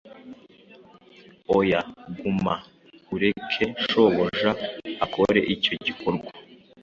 oya, guma, ureke shobuja akore icyo gikorwa